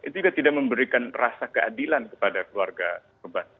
itu juga tidak memberikan rasa keadilan kepada keluarga korban